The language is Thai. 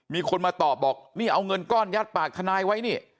มีคนมาตอบบอกนี่เอาเงินก้อนยัดปากทนายไว้นี่